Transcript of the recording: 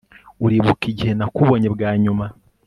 Uribuka igihe nakubonye bwa nyuma